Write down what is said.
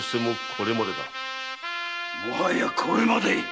もはやこれまで！